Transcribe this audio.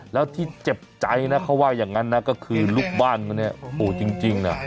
แล้วที่เจ็บใจนะเขาว่าอย่างนั้นนะก็คือลูกบ้านคนนี้โอ้จริงน่ะ